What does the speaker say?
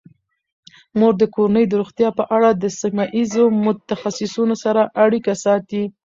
مور د کورنۍ د روغتیا په اړه د سیمه ایزو متخصصینو سره اړیکه ساتي.